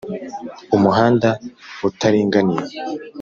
Umuhanda utaringaniye